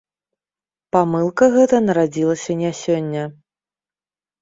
Памылка гэта нарадзілася не сёння.